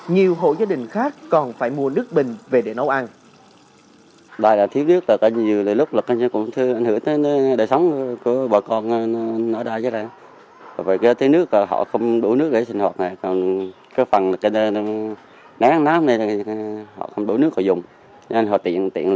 nhiều hộ gia đình khác còn phải mua nước bình về để nấu ăn